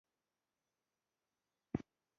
دا به وکولی شي د انسان اړتیاوې مخکې له مخکې درک کړي.